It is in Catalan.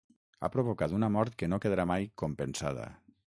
Ha provocat una mort que no quedarà mai compensada.